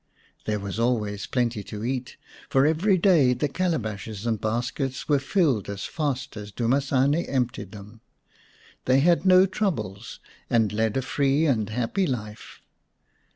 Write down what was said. There was always plenty to eat, for every day the calabashes and baskets were filled as fast as Dumasane emptied them. They had no troubles and led a free and happy life.